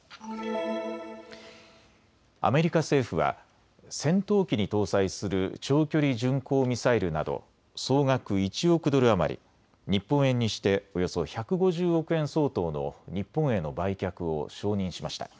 アメリカ政府は戦闘機に搭載する長距離巡航ミサイルなど総額１億ドル余り、日本円にしておよそ１５０億円相当の日本への売却を承認しました。